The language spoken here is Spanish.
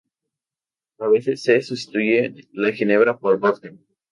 A veces se sustituye la ginebra por vodka.